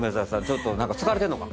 ちょっと何か疲れてんのか？